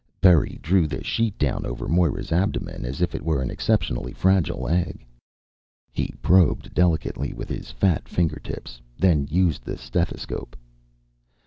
Berry drew the sheet down over Moira's abdomen as if it were an exceptionally fragile egg. He probed delicately with his fat fingertips, then used the stethoscope.